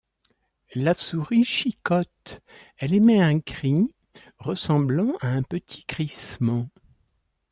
La souris chicote, elle émet un cri ressemblant à un petit crissement.